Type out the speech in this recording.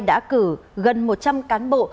đã cử gần một trăm linh cán bộ